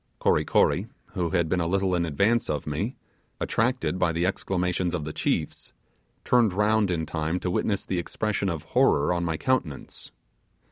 Kory Kory, who had been a little in advance of me, attracted by the exclamations of the chiefs, turned round in time to witness the expression of horror on my countenance.